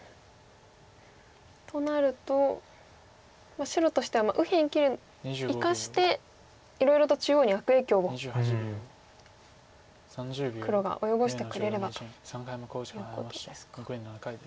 となると白としては右辺生かしていろいろと中央に悪影響を黒が及ぼしてくれればということですか。